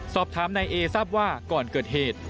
สอบถามนายเอทราบว่าก่อนเกิดเหตุ